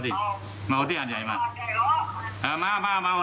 ที่มาเอาที่อันใหญ่มาอ่ะมามาเอาที่อันใหญ่มาขึ้น